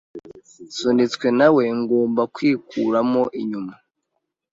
Nsunitswe na we ngomba kwikuramo inyuma